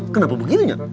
kenapa begitu ya